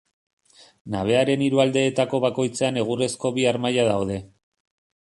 Nabearen hiru aldeetako bakoitzean egurrezko bi harmaila daude.